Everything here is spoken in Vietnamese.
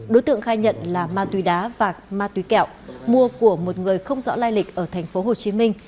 đối tượng khai nhận là ma túy đá và ma túy kẹo mua của một người không rõ lai lịch ở thành phố hồ chí minh